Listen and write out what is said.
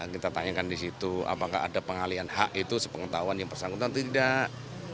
kita tanyakan di situ apakah ada pengalian hak itu sepengetahuan yang bersangkutan tidak